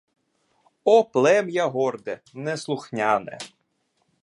О, плем'я горде, неслухняне!